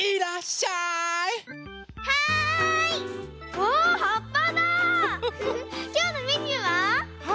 きょうのメニューは？